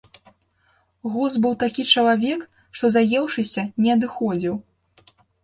Гуз быў такі чалавек, што, заеўшыся, не адыходзіў.